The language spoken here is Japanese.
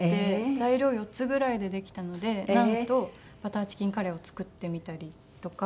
材料４つぐらいでできたのでナンとバターチキンカレーを作ってみたりとか。